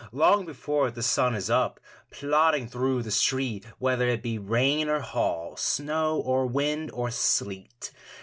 Long before the sun is up, Plodding through the street, Whether it be rain or hail, Snow or wind or sleet.